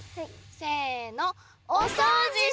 せの。